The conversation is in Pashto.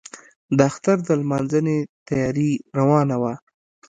د اختر د لمانځنې تیاري روانه وه.